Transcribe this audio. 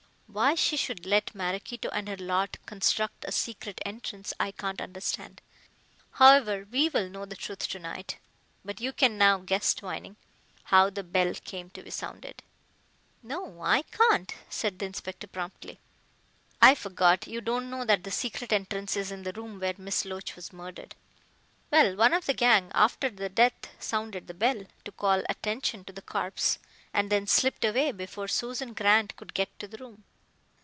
Why she should let Maraquito and her lot construct a secret entrance I can't understand. However, we'll know the truth to night. But you can now guess, Twining, how the bell came to be sounded." "No, I can't," said the inspector, promptly. "I forgot. You don't know that the secret entrance is in the room where Miss Loach was murdered. Well, one of the gang, after the death, sounded the bell to call attention to the corpse, and then slipped away before Susan Grant could get to the room."